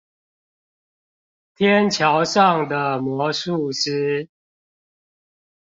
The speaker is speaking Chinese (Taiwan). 天橋上的魔術師